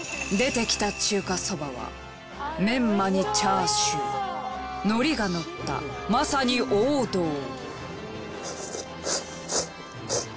出てきた中華そばはメンマにチャーシューのりがのったまさに王道。